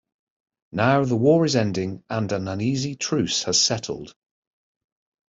Now, the war is ending and an uneasy truce has settled.